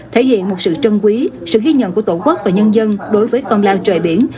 thể hiện một sự trân quý sự ghi nhận của tổ quốc và nhân dân đối với công lao trời biển